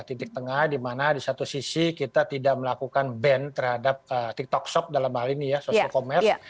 titik tengah di mana di satu sisi kita tidak melakukan ban terhadap tiktok shop dalam hal ini ya social commerce